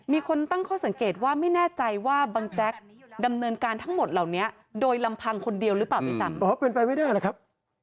มีคนตั้งข้อสังเกตว่าไม่แน่ใจว่าบังแจ๊กดำเนินการทั้งหมดเหล่านี้โดยลำพังคนเดียวหรือเปล่าด้วยซ้ำอ๋อเป็นไปไม่ได้หรอกครับ